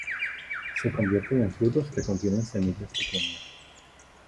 Se convierten en frutos que contienen semillas pequeñas.